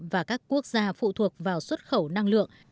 và các quốc gia phụ thuộc vào xuất khẩu năng lượng